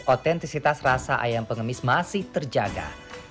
otentisitas rasa ayam pengemis masih terjaga